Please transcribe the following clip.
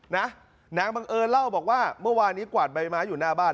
นางบังเอิญเล่าบอกว่าเมื่อวานนี้กวาดใบไม้อยู่หน้าบ้าน